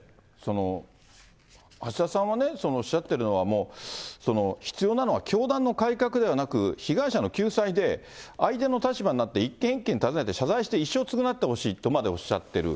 橋田さんはね、おっしゃっているのは、もう必要なのは教団の改革ではなく、被害者の救済で、相手の立場になって、一件一軒訪ねて謝罪して、一生償ってほしいとまでおっしゃってる。